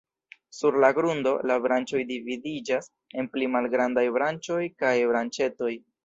Sur la grundo, la branĉoj dividiĝas en pli malgrandaj branĉoj kaj branĉetoj.